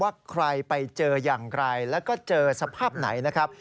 ว่าใครไปเจออย่างไรแล้วก็เจอสภาพไหนนะครับ